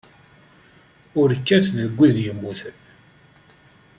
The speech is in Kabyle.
Ur kkat deg wid yemmuten.